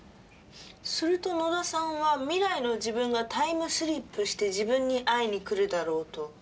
すると野田さんは未来の自分がタイムスリップして自分に会いに来るだろうと？